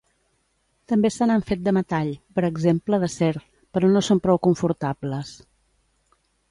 També se n'han fet de metall, per exemple d'acer, però no són prou confortables.